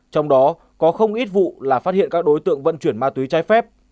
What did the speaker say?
trong đó có không ít vụ là phát hiện các đối tượng vận chuyển ma túy trái phép